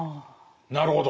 なるほど。